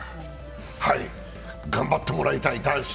頑張ってもらいたい、男子。